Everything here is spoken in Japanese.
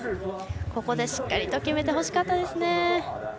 ここでしっかりと決めてほしかったですね。